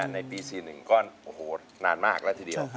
ในปี๔๑ก็โอ้โหนานมากแล้วทีเดียว